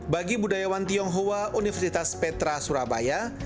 bagi budayawan tionghoa universitas petra surabaya